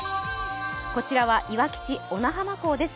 こちらはいわき市小名浜港です。